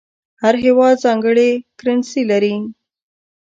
هر هېواد ځانګړې کرنسي لري.